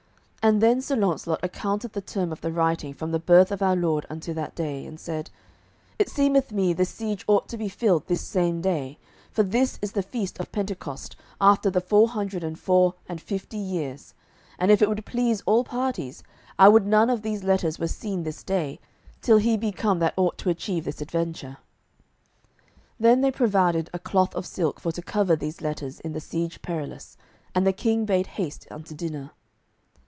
And then Sir Launcelot accounted the term of the writing from the birth of our Lord unto that day, and said: "It seemeth me this siege ought to be filled this same day, for this is the feast of Pentecost after the four hundred and four and fifty years; and if it would please all parties, I would none of these letters were seen this day, till he be come that ought to achieve this adventure." Then they provided a cloth of silk for to cover these letters in the Siege Perilous, and the King bade haste unto dinner.